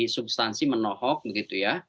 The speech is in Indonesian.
substansi menohok begitu ya